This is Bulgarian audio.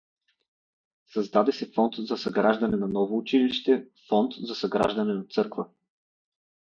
Създаде се фонд за съграждане на ново училище фонд за съграждане на църква.